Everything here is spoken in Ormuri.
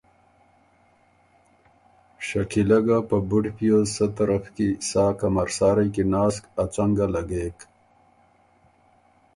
شکیلۀ ګه په بُډ پیوز سۀ طرف کی سا کمرسارئ کی ناسک ا څنګه لګېک۔